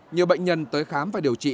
nhiều bệnh nhân tới khám và điều trị